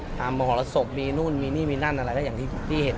ก็ก็เพิ่งเห็นเหมือนกันตอนพี่จิ้ม